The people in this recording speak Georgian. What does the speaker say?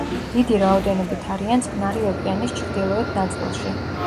დიდი რაოდენობით არიან წყნარი ოკეანის ჩრდილოეთ ნაწილში.